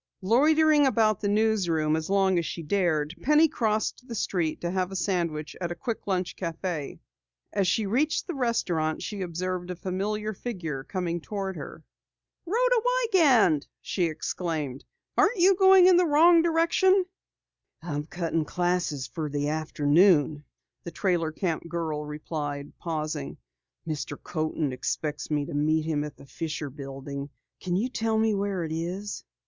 Loitering about the newsroom as long as she dared, Penny crossed the street to have a sandwich at a quick lunch cafe. As she reached the restaurant she observed a familiar figure coming toward her. "Rhoda Wiegand!" she exclaimed. "Aren't you going in the wrong direction?" "I'm cutting classes for the afternoon," the trailer camp girl replied, pausing. "Mr. Coaten expects me to meet him at the Fischer Building. Can you tell me where it is?"